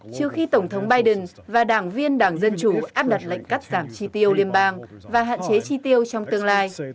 trừ khi tổng thống biden và đảng viên đảng dân chủ áp đặt lệnh cắt giảm chi tiêu liên bang và hạn chế chi tiêu trong tương lai